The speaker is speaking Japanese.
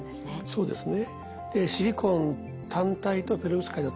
そうですね。